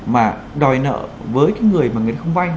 mà đòi nợ với người mà người không vai